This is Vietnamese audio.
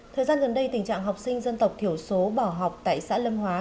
thời gian gần đây tình trạng học sinh dân tộc thiểu số bỏ học tại xã lâm hóa